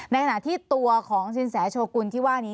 ในขณะที่ตัวของสินแสโชกุลที่ว่านี้